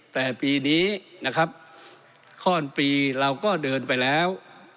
แต่ปีนี้นะครับข้อนปีเราก็เดินไปแล้ว